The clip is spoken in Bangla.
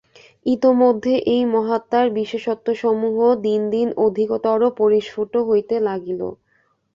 ইতোমধ্যে এই মহাত্মার বিশেষত্বসমূহ দিন দিন অধিকতর পরিস্ফুট হইতে লাগিল।